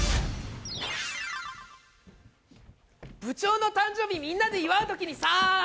部長の誕生日みんなで祝う時にさぁ。